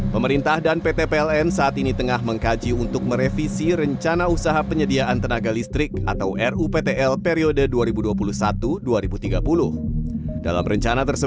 pemerintah dan pt pln